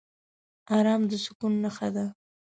ارام د سکون نښه ده.